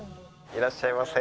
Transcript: いらっしゃいませ。